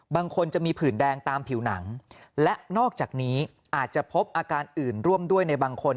บางคนจะมีผื่นแดงตามผิวหนังและนอกจากนี้อาจจะพบอาการอื่นร่วมด้วยในบางคน